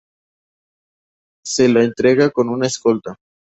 Se la entrega con una escolta.